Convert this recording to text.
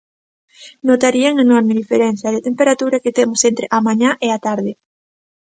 Notarían a enorme diferenza de temperatura que temos entre a mañá e a tarde.